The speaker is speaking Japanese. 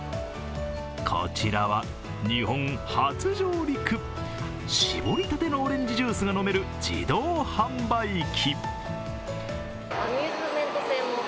こちらは日本初上陸、搾りたてのオレンジジュースが飲める自動販売機。